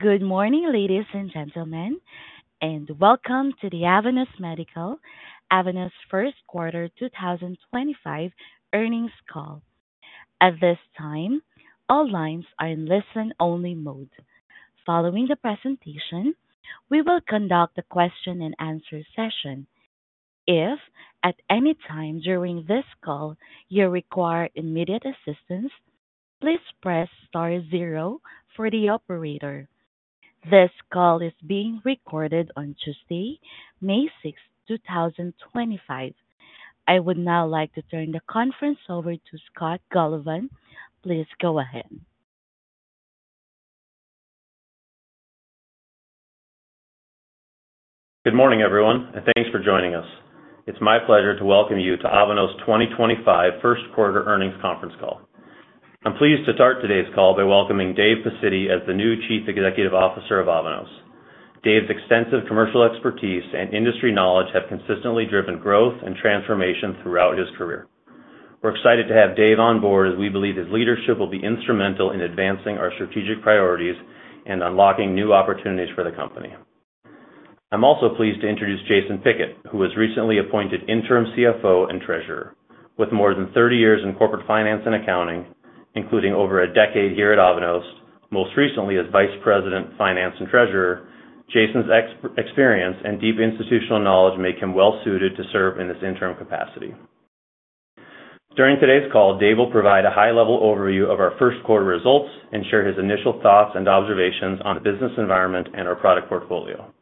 Good morning, ladies and gentlemen, and welcome to the Avanos Medical, Avanos first quarter 2025 earnings call. At this time, all lines are in listen-only mode. Following the presentation, we will conduct a question-and-answer session. If, at any time during this call, you require immediate assistance, please press star 0 for the operator. This call is being recorded on Tuesday, May 6, 2025. I would now like to turn the conference over to Scott Galovan. Please go ahead. Good morning, everyone, and thanks for joining us. It's my pleasure to welcome you to Avanos' 2025 first quarter earnings conference call. I'm pleased to start today's call by welcoming Dave Pacitti as the new Chief Executive Officer of Avanos. Dave's extensive commercial expertise and industry knowledge have consistently driven growth and transformation throughout his career. We're excited to have Dave on board as we believe his leadership will be instrumental in advancing our strategic priorities and unlocking new opportunities for the company. I'm also pleased to introduce Jason Pickett, who was recently appointed Interim CFO and Treasurer. With more than 30 years in corporate finance and accounting, including over a decade here at Avanos, most recently as Vice President, Finance, and Treasurer, Jason's experience and deep institutional knowledge make him well-suited to serve in this interim capacity. During today's call, Dave will provide a high-level overview of our first quarter results and share his initial thoughts and observations on the business environment and our product portfolio.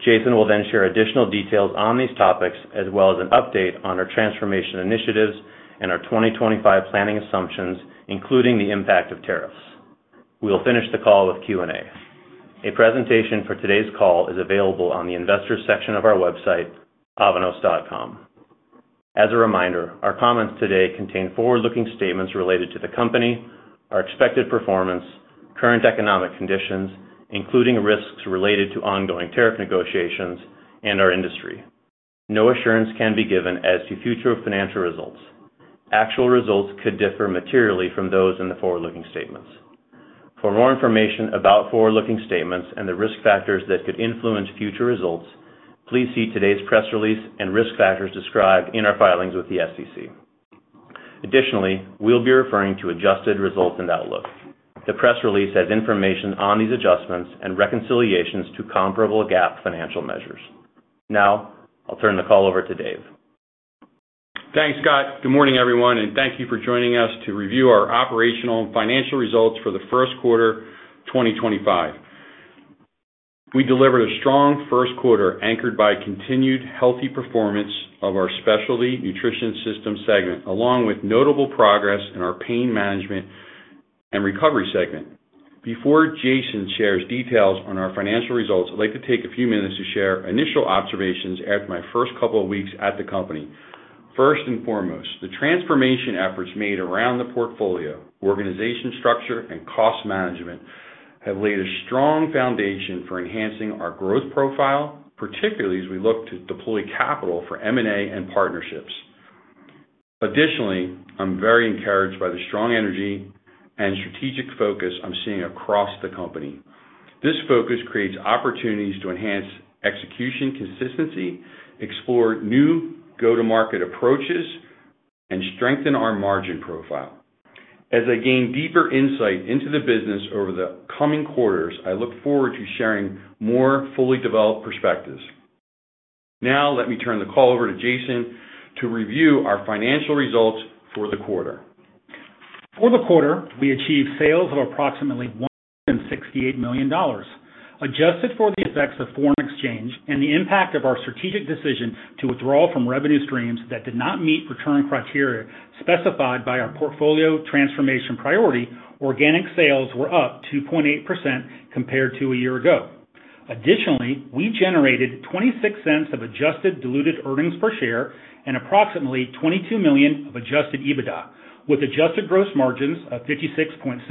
Jason will then share additional details on these topics, as well as an update on our transformation initiatives and our 2025 planning assumptions, including the impact of tariffs. We'll finish the call with Q&A. A presentation for today's call is available on the Investor's section of our website, avanos.com. As a reminder, our comments today contain forward-looking statements related to the company, our expected performance, current economic conditions, including risks related to ongoing tariff negotiations, and our industry. No assurance can be given as to future financial results. Actual results could differ materially from those in the forward-looking statements. For more information about forward-looking statements and the risk factors that could influence future results, please see today's press release and risk factors described in our filings with the SEC. Additionally, we'll be referring to adjusted results and outlook. The press release has information on these adjustments and reconciliations to comparable GAAP financial measures. Now, I'll turn the call over to Dave. Thanks, Scott. Good morning, everyone, and thank you for joining us to review our operational and financial results for first quarter 2025. We delivered a strong first quarter anchored by continued healthy performance of our Specialty Nutrition Systems segment, along with notable progress in our Pain Management and Recovery segment. Before Jason shares details on our financial results, I'd like to take a few minutes to share initial observations after my first couple of weeks at the company. First and foremost, the transformation efforts made around the portfolio, organization structure, and cost management have laid a strong foundation for enhancing our growth profile, particularly as we look to deploy capital for M&A and partnerships. Additionally, I'm very encouraged by the strong energy and strategic focus I'm seeing across the company. This focus creates opportunities to enhance execution consistency, explore new go-to-market approaches, and strengthen our margin profile. As I gain deeper insight into the business over the coming quarters, I look forward to sharing more fully developed perspectives. Now, let me turn the call over to Jason to review our financial results for the quarter. For the quarter, we achieved sales of approximately $168 million. Adjusted for the effects of foreign exchange and the impact of our strategic decision to withdraw from revenue streams that did not meet return criteria specified by our portfolio transformation priority, organic sales were up 2.8% compared to a year ago. Additionally, we generated $0.26 of adjusted diluted earnings per share and approximately $22 million of adjusted EBITDA, with adjusted gross margins of 56.7%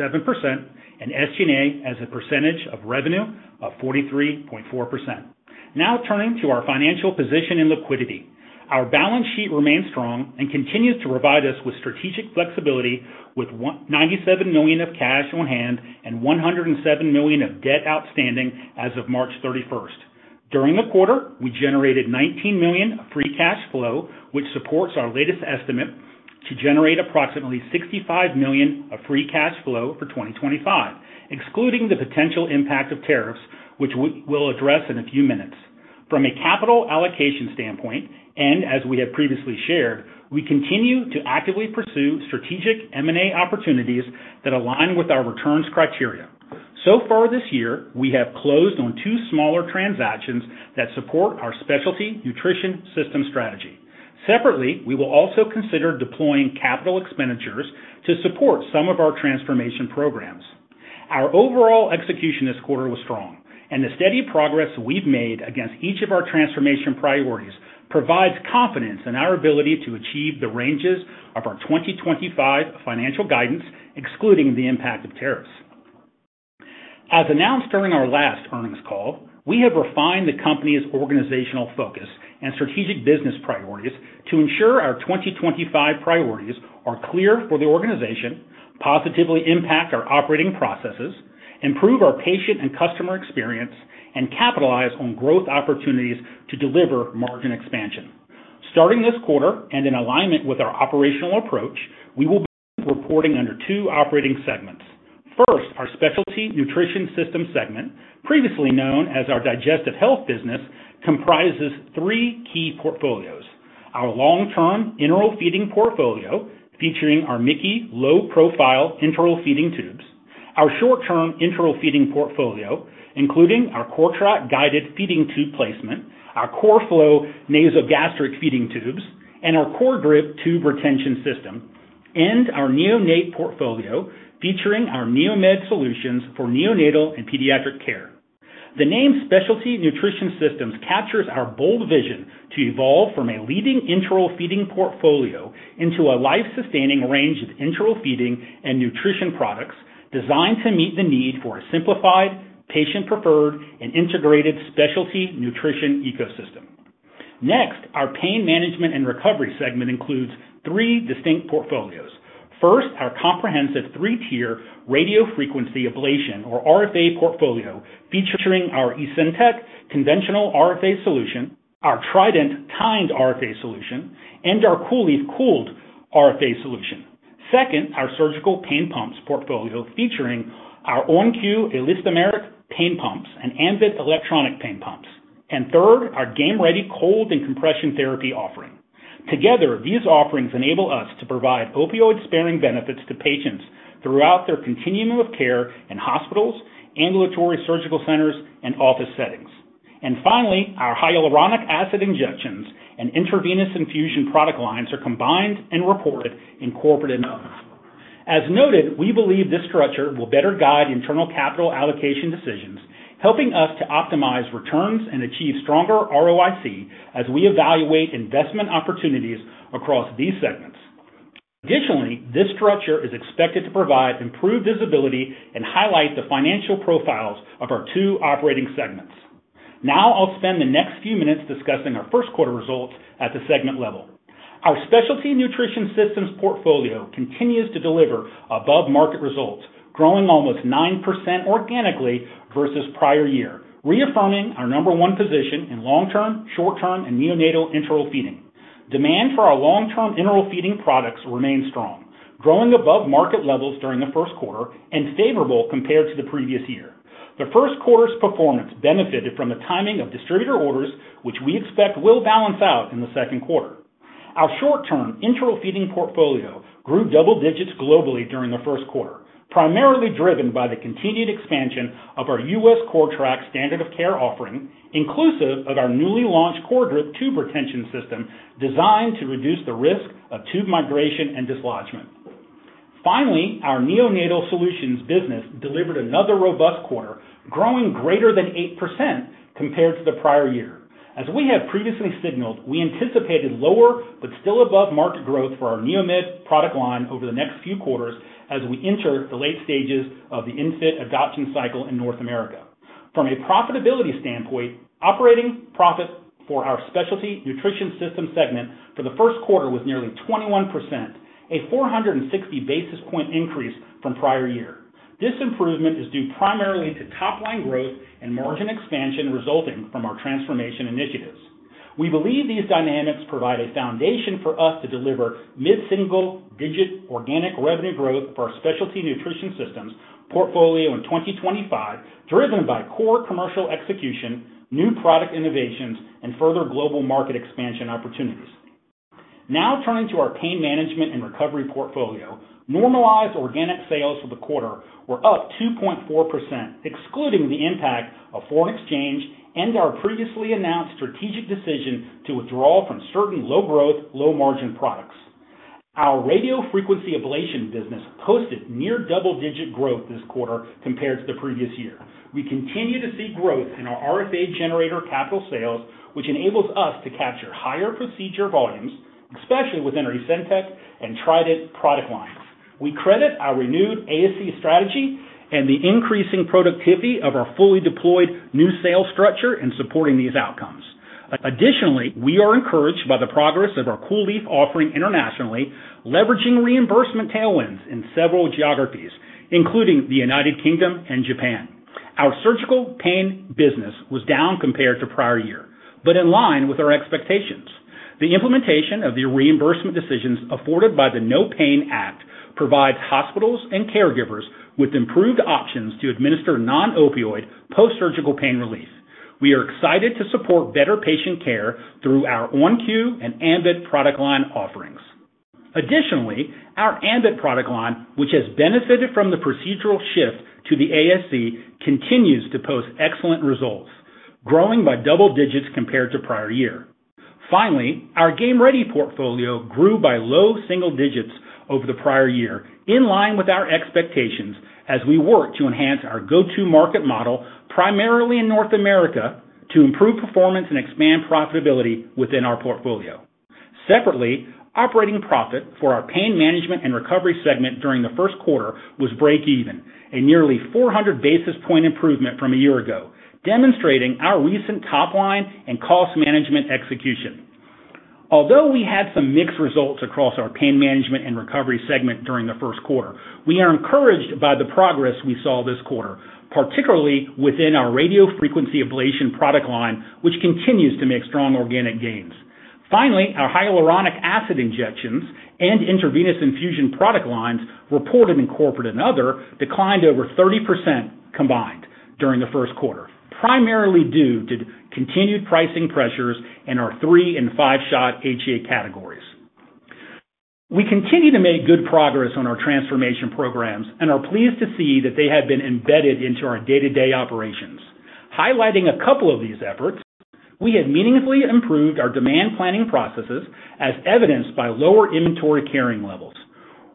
and SG&A as a percentage of revenue of 43.4%. Now, turning to our financial position and liquidity. Our balance sheet remains strong and continues to provide us with strategic flexibility, with $97 million of cash on hand and $107 million of debt outstanding as of March 31st. During the quarter, we generated $19 million of free cash flow, which supports our latest estimate to generate approximately $65 million of free cash flow for 2025, excluding the potential impact of tariffs, which we will address in a few minutes. From a capital allocation standpoint, and as we have previously shared, we continue to actively pursue strategic M&A opportunities that align with our returns criteria. So far this year, we have closed on two smaller transactions that support our Specialty Nutrition Systems strategy. Separately, we will also consider deploying capital expenditures to support some of our transformation programs. Our overall execution this quarter was strong, and the steady progress we've made against each of our transformation priorities provides confidence in our ability to achieve the ranges of our 2025 financial guidance, excluding the impact of tariffs. As announced during our last earnings call, we have refined the company's organizational focus and strategic business priorities to ensure our 2025 priorities are clear for the organization, positively impact our operating processes, improve our patient and customer experience, and capitalize on growth opportunities to deliver margin expansion. Starting this quarter and in alignment with our operational approach, we will be reporting under two operating segments. First, our Specialty Nutrition Systems segment, previously known as our Digestive Health business, comprises three key portfolios: our long-term enteral feeding portfolio, featuring our MIC-KEY Low-Profile Enteral Feeding Tubes; our short-term enteral feeding portfolio, including our CORTRAK guided feeding tube placement, our CORFLO nasogastric feeding tubes, and our CORGRIP tube retention system; and our NeoNate portfolio, featuring our NEOMED solutions for neonatal and pediatric care. The name Specialty Nutrition Systems captures our bold vision to evolve from a leading enteral feeding portfolio into a life-sustaining range of enteral feeding and nutrition products designed to meet the need for a simplified, patient-preferred, and integrated specialty nutrition ecosystem. Next, our Pain Management and Recovery segment includes three distinct portfolios. First, our comprehensive three-tier radiofrequency ablation, or RFA, portfolio, featuring our ESENTEC conventional RFA solution, our Trident timed RFA solution, and our COOLIEF cooled RFA solution. Second, our surgical pain pumps portfolio, featuring our ON-Q Elastomeric Pain Pumps and ambIT Electronic Pain Pumps. Third, our Game-Ready cold and compression therapy offering. Together, these offerings enable us to provide opioid-sparing benefits to patients throughout their continuum of care in hospitals, ambulatory surgical centers, and office settings. Finally, our hyaluronic acid injections and intravenous infusion product lines are combined and reported in corporate analysis. As noted, we believe this structure will better guide internal capital allocation decisions, helping us to optimize returns and achieve stronger ROIC as we evaluate investment opportunities across these segments. Additionally, this structure is expected to provide improved visibility and highlight the financial profiles of our two operating segments. Now, I'll spend the next few minutes discussing our first quarter results at the segment level. Our Specialty Nutrition Systems portfolio continues to deliver above-market results, growing almost 9% organically versus prior year, reaffirming our number one position in long-term, short-term, and neonatal enteral feeding. Demand for our long-term enteral feeding products remains strong, growing above market levels during first quarter and favorable compared to the previous year. The first quarter's performance benefited from the timing of distributor orders, which we expect will balance out in second quarter. Our short-term enteral feeding portfolio grew double digits globally during the first quarter, primarily driven by the continued expansion of our U.S. CORTRAK standard of care offering, inclusive of our newly launched CORGRIP We believe these dynamics provide a foundation for us to deliver mid-single-digit organic revenue growth for our Specialty Nutrition Systems portfolio in 2025, driven by core commercial execution, new product innovations, and further global market expansion opportunities. Now, turning to our Pain Management and Recovery portfolio, normalized organic sales for the quarter were up 2.4%, excluding the impact of foreign exchange and our previously announced strategic decision to withdraw from certain low-growth, low-margin products. Our radiofrequency ablation business posted near double-digit growth this quarter compared to the previous year. We continue to see growth in our RFA generator capital sales, which enables us to capture higher procedure volumes, especially within our ESENTEC and Trident product lines. We credit our renewed ASC strategy and the increasing productivity of our fully deployed new sales structure in supporting these outcomes. Additionally, we are encouraged by the progress of our COOLIEF offering internationally, leveraging reimbursement tailwinds in several geographies, including the U.K. and Japan. Our surgical pain business was down compared to prior year, but in line with our expectations. The implementation of the reimbursement decisions afforded by the NOPAIN Act provides hospitals and caregivers with improved options to administer non-opioid post-surgical pain relief. We are excited to support better patient care through our ON-Q and ambIT product line offerings. Additionally, our ambIT product line, which has benefited from the procedural shift to the ASC, continues to post excellent results, growing by double digits compared to prior year. Finally, our Game Ready portfolio grew by low single digits over the prior year, in line with our expectations as we work to enhance our go-to-market model primarily in North America to improve performance and expand profitability within our portfolio. Separately, operating profit for our pain management and recovery segment during the first quarter was break-even, a nearly 400 basis point improvement from a year ago, demonstrating our recent top-line and cost management execution. Although we had some mixed results across our Pain Management and Recovery segment during the first quarter, we are encouraged by the progress we saw this quarter, particularly within our radiofrequency ablation product line, which continues to make strong organic gains. Finally, our hyaluronic acid injections and intravenous infusion product lines reported in corporate and other declined over 30% combined during the first quarter, primarily due to continued pricing pressures in our three and five-shot hyaluronic acid categories. We continue to make good progress on our transformation programs and are pleased to see that they have been embedded into our day-to-day operations. Highlighting a couple of these efforts, we have meaningfully improved our demand planning processes, as evidenced by lower inventory carrying levels.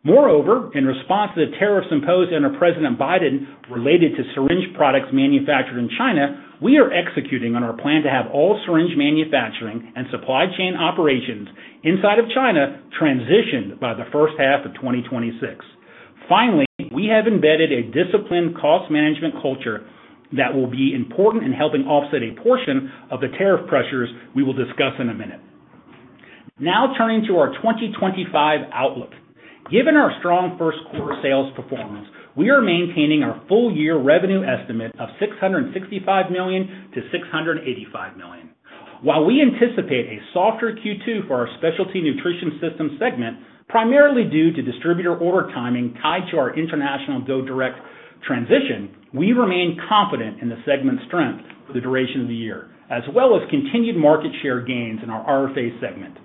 Moreover, in response to the tariffs imposed under President Biden related to syringe products manufactured in China, we are executing on our plan to have all syringe manufacturing and supply chain operations inside of China transitioned by the first half of 2026. Finally, we have embedded a disciplined cost management culture that will be important in helping offset a portion of the tariff pressures we will discuss in a minute. Now, turning to our 2025 outlook. Given our strong first quarter sales performance, we are maintaining our full-year revenue estimate of $665 million-$685 million. While we anticipate a softer Q2 for our Specialty Nutrition Systems segment, primarily due to distributor order timing tied to our international go-to-direct transition, we remain confident in the segment's strength for the duration of the year, as well as continued market share gains in our RFA segment.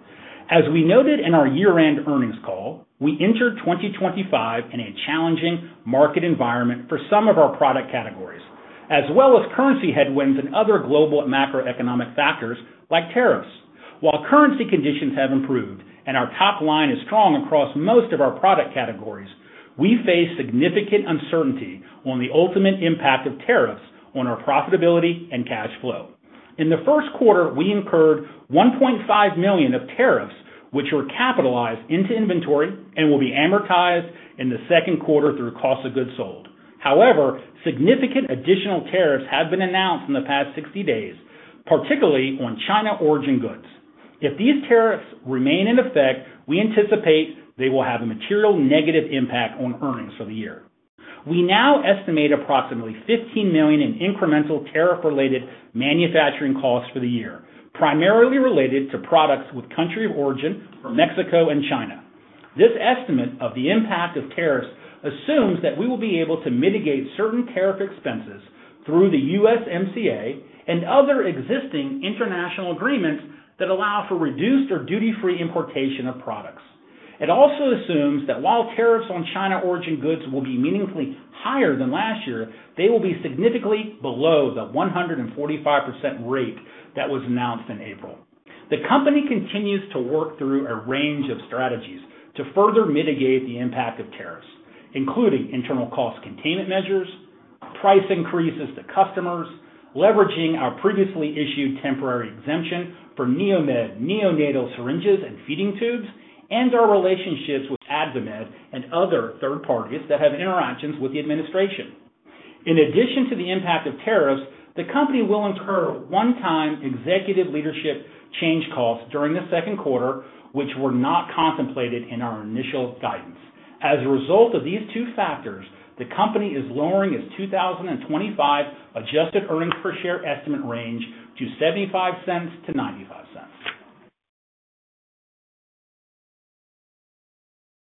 As we noted in our year-end earnings call, we entered 2025 in a challenging market environment for some of our product categories, as well as currency headwinds and other global macroeconomic factors like tariffs. While currency conditions have improved and our top line is strong across most of our product categories, we face significant uncertainty on the ultimate impact of tariffs on our profitability and cash flow. In the first quarter, we incurred $1.5 million of tariffs, which were capitalized into inventory and will be amortized in the second quarter through cost of goods sold. However, significant additional tariffs have been announced in the past 60 days, particularly on China-origin goods. If these tariffs remain in effect, we anticipate they will have a material negative impact on earnings for the year. We now estimate approximately $15 million in incremental tariff-related manufacturing costs for the year, primarily related to products with country of origin from Mexico and China. This estimate of the impact of tariffs assumes that we will be able to mitigate certain tariff expenses through the USMCA and other existing international agreements that allow for reduced or duty-free importation of products. It also assumes that while tariffs on China-origin goods will be meaningfully higher than last year, they will be significantly below the 145% rate that was announced in April. The company continues to work through a range of strategies to further mitigate the impact of tariffs, including internal cost containment measures, price increases to customers, leveraging our previously issued temporary exemption for NEOMED neonatal syringes and feeding tubes, and our relationships with AdvaMed and other third parties that have interactions with the administration. In addition to the impact of tariffs, the company will incur one-time executive leadership change costs during the second quarter, which were not contemplated in our initial guidance. As a result of these two factors, the company is lowering its 2025 adjusted earnings per share estimate range to $0.75-$0.95.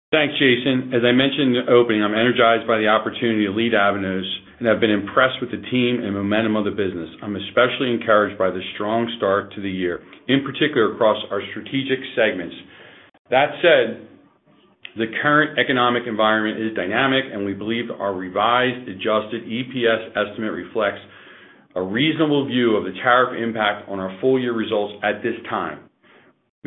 Thanks, Jason. As I mentioned in the opening, I'm energized by the opportunity to lead Avanos and have been impressed with the team and momentum of the business. I'm especially encouraged by the strong start to the year, in particular across our strategic segments. That said, the current economic environment is dynamic, and we believe our revised adjusted EPS estimate reflects a reasonable view of the tariff impact on our full-year results at this time.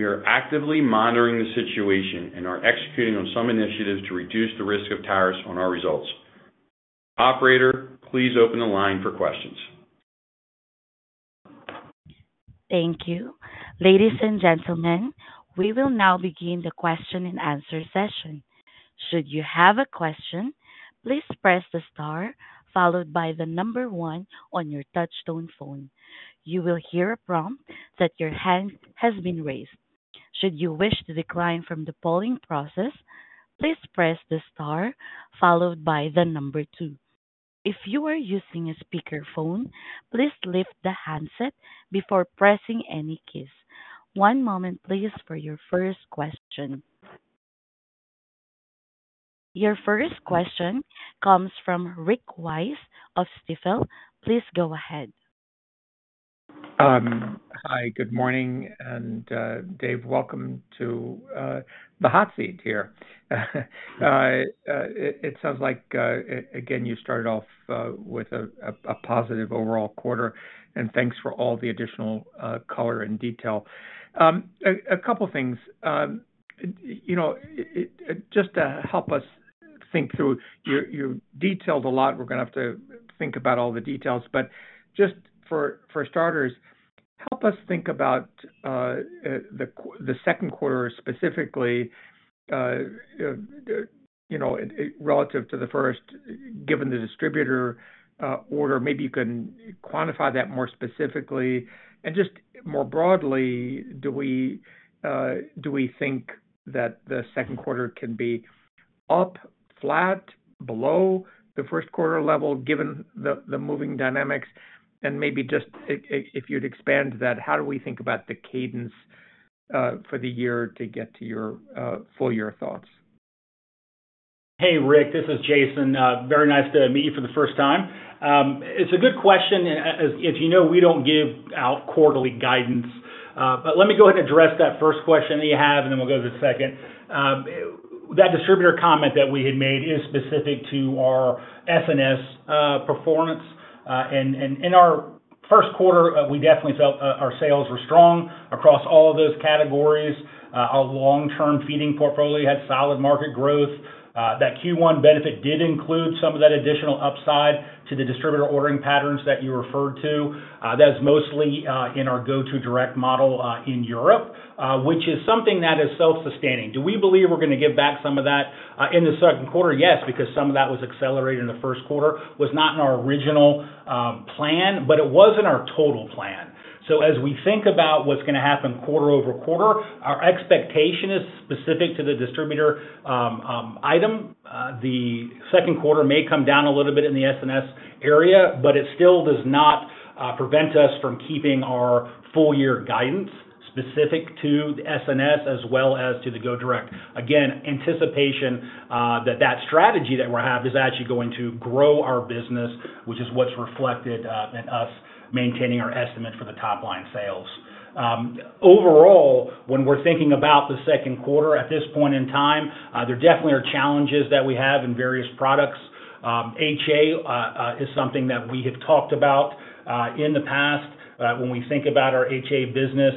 We are actively monitoring the situation and are executing on some initiatives to reduce the risk of tariffs on our results. Operator, please open the line for questions. Thank you. Ladies and gentlemen, we will now begin the question-and-answer session. Should you have a question, please press the star followed by the number one on your touchstone phone. You will hear a prompt that your hand has been raised. Should you wish to decline from the polling process, please press the star followed by the number two. If you are using a speakerphone, please lift the handset before pressing any keys. One moment, please, for your first question. Your first question comes from Rick Wise of Stifel. Please go ahead. Hi, good morning. And, Dave, welcome to the hot seat here. It sounds like, again, you started off with a positive overall quarter, and thanks for all the additional color and detail. A couple of things. You know, just to help us think through, you detailed a lot. We're going to have to think about all the details. But just for starters, help us think about the second quarter specifically, you know, relative to the first, given the distributor order. Maybe you can quantify that more specifically. And just more broadly, do we think that the second quarter can be up, flat, below the first quarter level, given the moving dynamics? And maybe just if you'd expand that, how do we think about the cadence for the year to get to your full-year thoughts? Hey, Rick, this is Jason. Very nice to meet you for the first time. It's a good question. As you know, we don't give out quarterly guidance. Let me go ahead and address that first question that you have, and then we'll go to the second. That distributor comment that we had made is specific to our SNS performance. In our first quarter, we definitely felt our sales were strong across all of those categories. Our long-term feeding portfolio had solid market growth. That Q1 benefit did include some of that additional upside to the distributor ordering patterns that you referred to. That was mostly in our go-to-direct model in Europe, which is something that is self-sustaining. Do we believe we're going to give back some of that in the second quarter? Yes, because some of that was accelerated in the first quarter. It was not in our original plan, but it was in our total plan. As we think about what's going to happen quarter over quarter, our expectation is specific to the distributor item. The second quarter may come down a little bit in the SNS area, but it still does not prevent us from keeping our full-year guidance specific to the SNS as well as to the go-to-direct. Again, anticipation that that strategy that we have is actually going to grow our business, which is what's reflected in us maintaining our estimate for the top-line sales. Overall, when we're thinking about the second quarter at this point in time, there definitely are challenges that we have in various products. HA is something that we have talked about in the past. When we think about our HA business,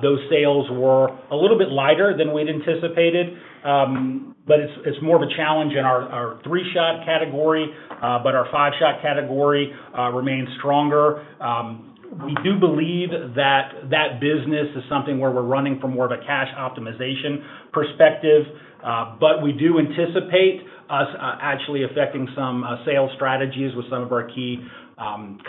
those sales were a little bit lighter than we'd anticipated. But it's more of a challenge in our three-shot category. Our five-shot category remains stronger. We do believe that that business is something where we're running from more of a cash optimization perspective. We do anticipate us actually affecting some sales strategies with some of our key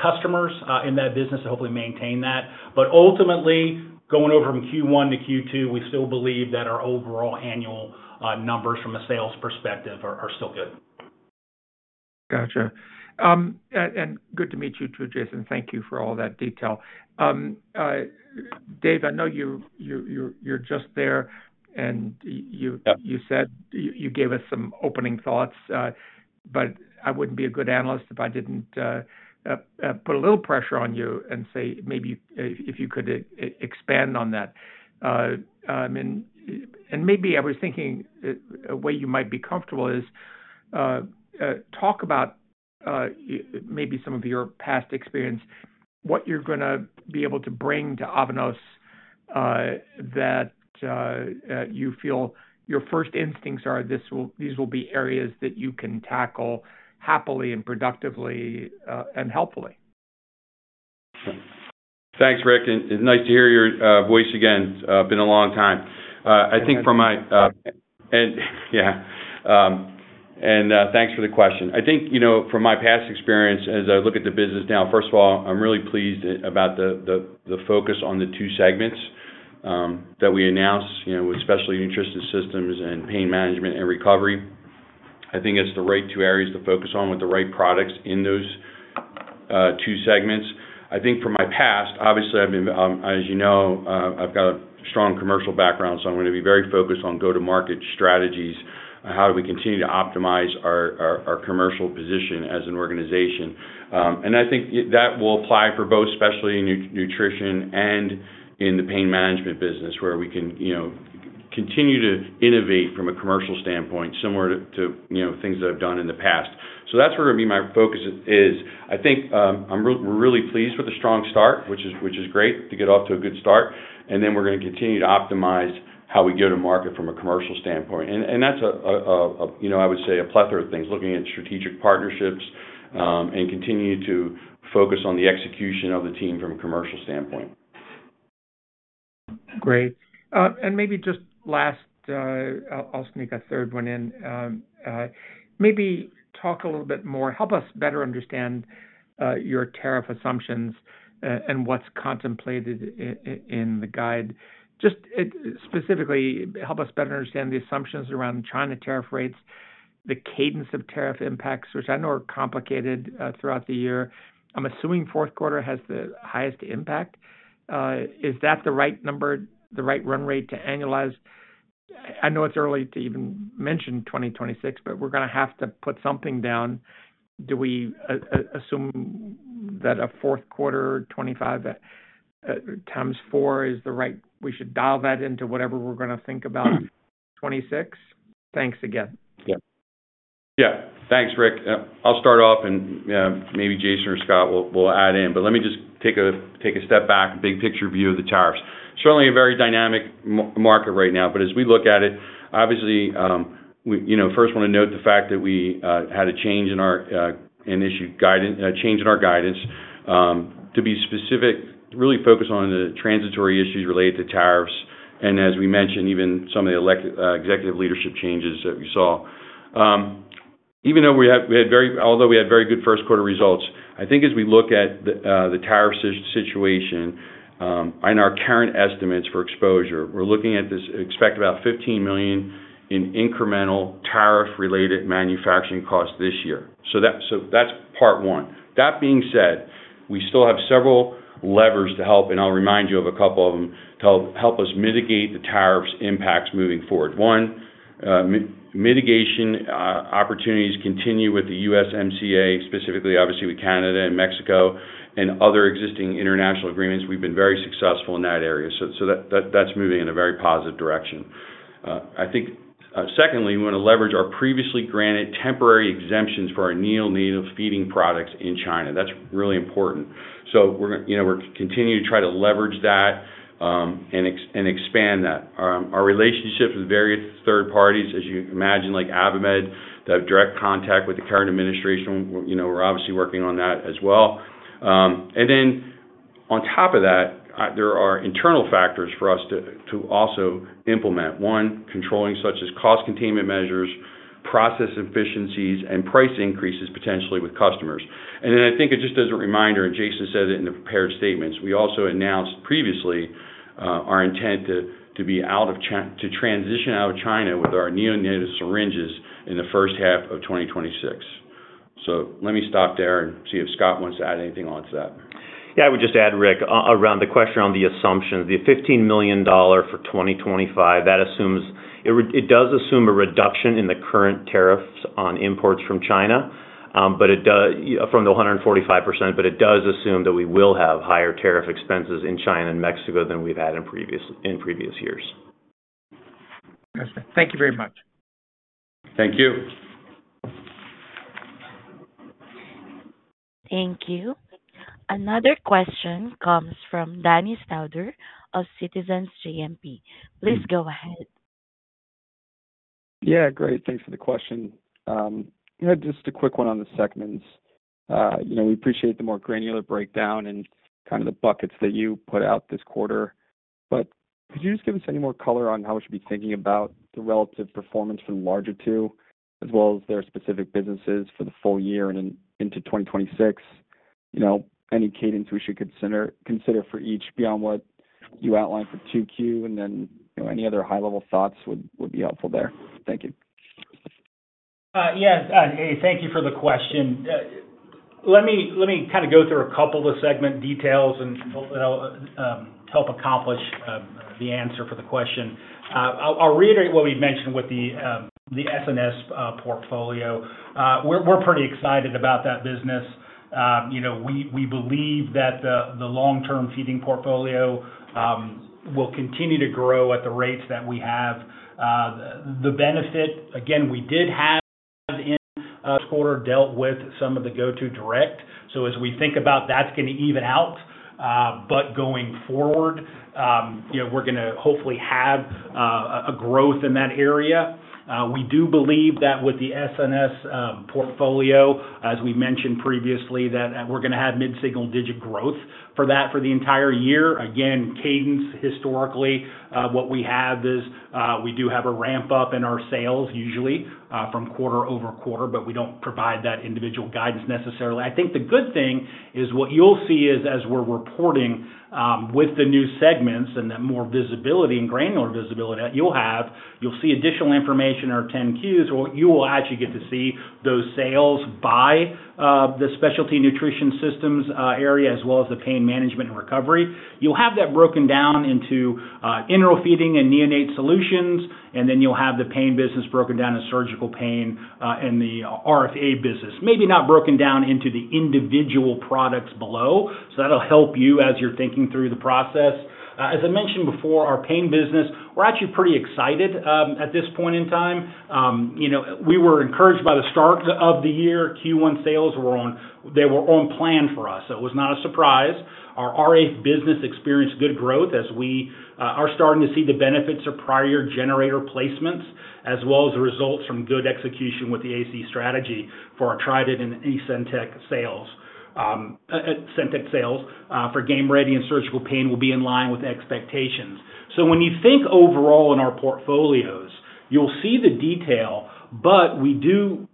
customers in that business to hopefully maintain that. Ultimately, going over from Q1 to Q2, we still believe that our overall annual numbers from a sales perspective are still good. Gotcha. Good to meet you too, Jason. Thank you for all that detail. Dave, I know you said you gave us some opening thoughts. I would not be a good analyst if I did not put a little pressure on you and say maybe if you could expand on that. I mean, and maybe I was thinking a way you might be comfortable is, talk about, maybe some of your past experience, what you're going to be able to bring to Avanos, that, you feel your first instincts are this will these will be areas that you can tackle happily and productively, and helpfully. Thanks, Rick. And it's nice to hear your voice again. It's been a long time. I think from my, and yeah. and, thanks for the question. I think, you know, from my past experience, as I look at the business now, first of all, I'm really pleased about the focus on the two segments, that we announced, you know, with Specialty Nutrition Systems and Pain Management and Recovery. I think it's the right two areas to focus on with the right products in those two segments. I think from my past, obviously, I've been, as you know, I've got a strong commercial background, so I'm going to be very focused on go-to-market strategies. How do we continue to optimize our commercial position as an organization? I think that will apply for both specialty nutrition and in the pain management business, where we can, you know, continue to innovate from a commercial standpoint, similar to, you know, things that I've done in the past. That's where my focus is. I think we're really pleased with a strong start, which is great to get off to a good start. We're going to continue to optimize how we go to market from a commercial standpoint. That's a, you know, I would say a plethora of things, looking at strategic partnerships, and continue to focus on the execution of the team from a commercial standpoint. Great. Maybe just last, I'll sneak a third one in. Maybe talk a little bit more, help us better understand your tariff assumptions, and what's contemplated in the guide. Just specifically, help us better understand the assumptions around China tariff rates, the cadence of tariff impacts, which I know are complicated, throughout the year. I'm assuming fourth quarter has the highest impact. Is that the right number, the right run rate to annualize? I know it's early to even mention 2026, but we're going to have to put something down. Do we assume that a fourth quarter 2025 times four is the right? We should dial that into whatever we're going to think about 2026?Thanks again. Yeah. Thanks, Rick. I'll start off, and maybe Jason or Scott will add in, but let me just take a step back, a big picture view of the tariffs. Certainly a very dynamic market right now, but as we look at it, obviously, we, you know, first want to note the fact that we had a change in our, an issue guidance, a change in our guidance, to be specific, really focus on the transitory issues related to tariffs. And as we mentioned, even some of the executive leadership changes that we saw. Even though we had very, although we had very good first quarter results, I think as we look at the tariff situation, in our current estimates for exposure, we're looking at this expect about $15 million in incremental tariff-related manufacturing costs this year. So that's part one. That being said, we still have several levers to help, and I'll remind you of a couple of them to help us mitigate the tariffs impacts moving forward. One, mitigation opportunities continue with the USMCA, specifically, obviously, with Canada and Mexico and other existing international agreements. We've been very successful in that area. That is moving in a very positive direction. I think, secondly, we want to leverage our previously granted temporary exemptions for our neonatal feeding products in China. That's really important. We're continuing to try to leverage that and expand that. Our relationships with various third parties, as you imagine, like AdvaMed, that have direct contact with the current administration, we're obviously working on that as well. On top of that, there are internal factors for us to also implement. One, controlling such as cost containment measures, process efficiencies, and price increases potentially with customers. I think it just as a reminder, and Jason said it in the prepared statements, we also announced previously our intent to be out of China, to transition out of China with our neonatal syringes in the first half of 2026. Let me stop there and see if Scott wants to add anything on to that. Yeah, I would just add, Rick, around the question on the assumptions, the $15 million for 2025, that assumes it does assume a reduction in the current tariffs on imports from China, from the 145%, but it does assume that we will have higher tariff expenses in China and Mexico than we've had in previous years. Thank you very much. Thank you. Thank you. Another question comes from Danny Stauder of Citizens JMP. Please go ahead. Yeah, great. Thanks for the question. You know, just a quick one on the segments. You know, we appreciate the more granular breakdown and kind of the buckets that you put out this quarter, but could you just give us any more color on how we should be thinking about the relative performance for the larger two, as well as their specific businesses for the full year and into 2026? You know, any cadence we should consider for each beyond what you outlined for 2Q, and then, you know, any other high-level thoughts would be helpful there. Thank you. Yes. Thank you for the question. Let me kind of go through a couple of the segment details and, you know, help accomplish the answer for the question. I'll reiterate what we've mentioned with the SNS portfolio. We're pretty excited about that business. You know, we believe that the long-term feeding portfolio will continue to grow at the rates that we have. The benefit, again, we did have in the quarter dealt with some of the go-to-direct. As we think about that, it's going to even out, but going forward, you know, we're going to hopefully have a growth in that area. We do believe that with the SNS portfolio, as we mentioned previously, that we're going to have mid-single-digit growth for that for the entire year. Again, cadence historically, what we have is, we do have a ramp up in our sales usually from quarter over quarter, but we don't provide that individual guidance necessarily. I think the good thing is what you'll see is as we're reporting, with the new segments and that more visibility and granular visibility that you'll have, you'll see additional information in our 10Qs, or you will actually get to see those sales by the Specialty Nutrition Systems area, as well as the Pain Management and Recovery. You'll have that broken down into enteral feeding and NeoNate solutions, and then you'll have the pain business broken down in surgical pain and the RFA business, maybe not broken down into the individual products below. That'll help you as you're thinking through the process. As I mentioned before, our pain business, we're actually pretty excited at this point in time. You know, we were encouraged by the start of the year. Q1 sales were on, they were on plan for us. It was not a surprise. Our RF business experienced good growth as we are starting to see the benefits of prior generator placements, as well as the results from good execution with the ASC strategy for our Trident and ESENTEC sales. ESENTEC sales for Game-Ready and surgical pain will be in line with expectations. When you think overall in our portfolios, you'll see the detail, but we do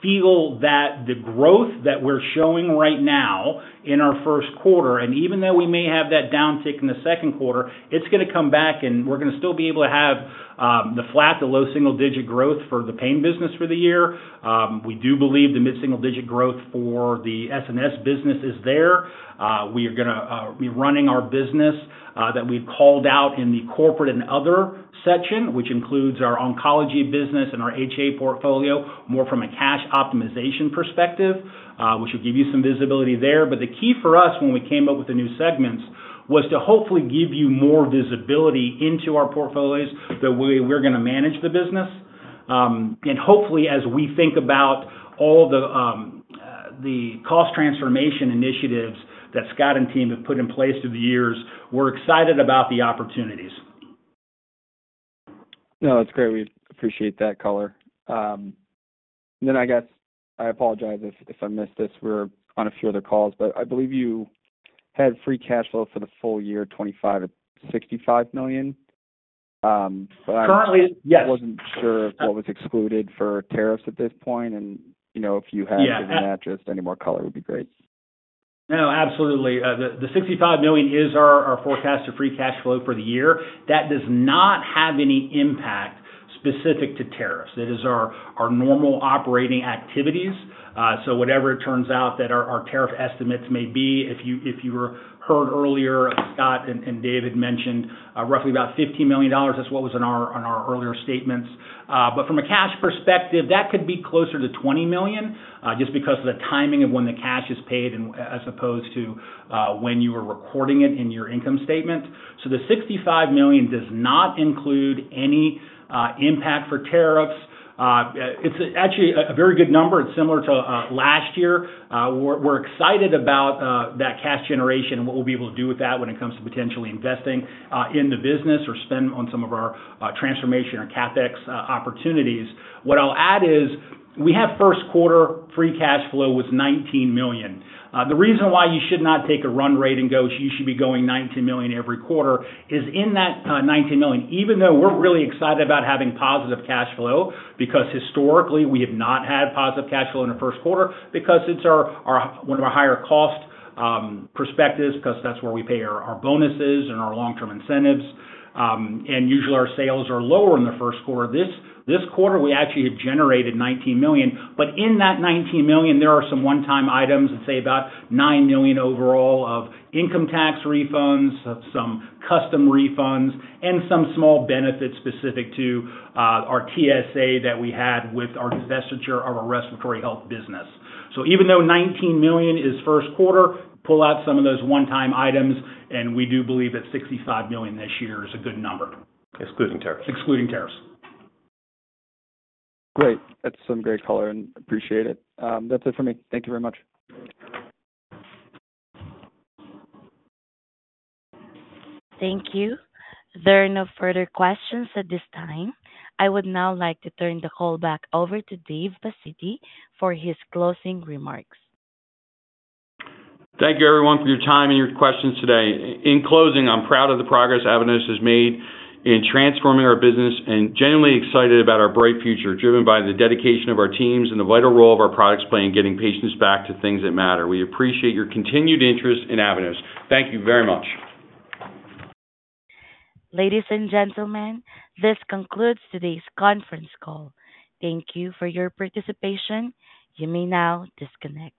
feel that the growth that we're showing right now in our first quarter, and even though we may have that downtick in the second quarter, it's going to come back and we're going to still be able to have the flat, the low single digit growth for the pain business for the year. We do believe the mid-single digit growth for the SNS business is there. We are going to be running our business, that we have called out in the corporate and other section, which includes our oncology business and our HA portfolio, more from a cash optimization perspective, which will give you some visibility there. The key for us when we came up with the new segments was to hopefully give you more visibility into our portfolios that we are going to manage the business. Hopefully as we think about all of the cost transformation initiatives that Scott and team have put in place through the years, we are excited about the opportunities. No, that is great. We appreciate that, color. I guess I apologize if I missed this. We are on a few other calls, but I believe you had free cash flow for the full year, $25 million-$65 million. I wasn't sure of what was excluded for tariffs at this point. And, you know, if you have given that just any more color would be great. No, absolutely. The $65 million is our forecast of free cash flow for the year. That does not have any impact specific to tariffs. It is our normal operating activities. So whatever it turns out that our tariff estimates may be, if you heard earlier, Scott and David mentioned, roughly about $15 million. That's what was in our earlier statements. But from a cash perspective, that could be closer to $20 million, just because of the timing of when the cash is paid as opposed to when you are recording it in your income statement. The $65 million does not include any impact for tariffs. It's actually a very good number. It's similar to last year. We're excited about that cash generation and what we'll be able to do with that when it comes to potentially investing in the business or spend on some of our transformation or CapEx opportunities. What I'll add is we have first quarter free cash flow was $19 million. The reason why you should not take a run rate and go, should you should be going $19 million every quarter is in that $19 million, even though we're really excited about having positive cash flow because historically we have not had positive cash flow in the first quarter because it's one of our higher cost perspectives because that's where we pay our bonuses and our long-term incentives. Usually our sales are lower in the first quarter. This quarter we actually had generated $19 million, but in that $19 million, there are some one-time items, let's say about $9 million overall of income tax refunds, some customs refunds, and some small benefits specific to our TSA that we had with our divestiture of our respiratory health business. Even though $19 million is first quarter, pull out some of those one-time items, and we do believe that $65 million this year is a good number. Excluding tariffs. Excluding tariffs. Great. That's some great color and appreciate it. That's it for me. Thank you very much. Thank you. There are no further questions at this time. I would now like to turn the call back over to Dave Pacitti for his closing remarks. Thank you, everyone, for your time and your questions today. In closing, I'm proud of the progress Avanos has made in transforming our business and genuinely excited about our bright future driven by the dedication of our teams and the vital role of our products playing getting patients back to things that matter. We appreciate your continued interest in Avanos. Thank you very much. Ladies and gentlemen, this concludes today's conference call. Thank you for your participation. You may now disconnect.